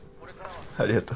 ありがと。